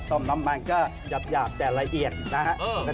ต่อมน้ำมันก็หยาบแต่ละเอียดนะครับ